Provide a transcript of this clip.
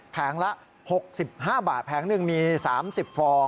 แผงละ๖๕บาทแผงหนึ่งมี๓๐ฟอง